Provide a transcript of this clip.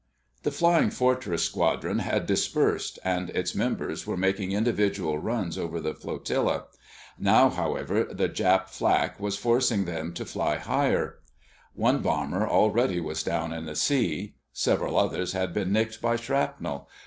The Flying Fortress squadron had dispersed, and its members were making individual runs over the flotilla. Now, however, the Jap flak was forcing them to fly higher. One bomber already was down in the sea. Several others had been nicked by shrapnel.